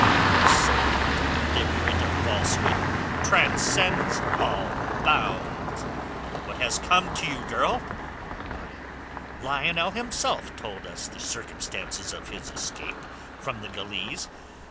But so deliberate a falsehood transcends all bounds. What has come to you, girl? Why, Lionel himself told us the circumstances of his escape from the galeasse.